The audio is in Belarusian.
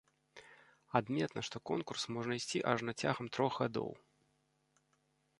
Адметна, што конкурс можа ісці ажно цягам трох гадоў.